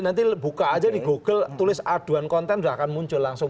nanti buka aja di google tulis aduan konten sudah akan muncul langsung